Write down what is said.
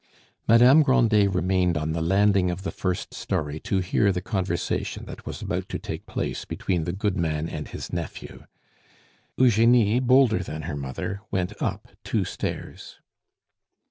Madame Grandet remained on the landing of the first storey to hear the conversation that was about to take place between the goodman and his nephew. Eugenie, bolder than her mother, went up two stairs.